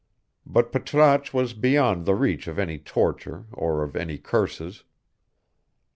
But Patrasche was beyond the reach of any torture or of any curses.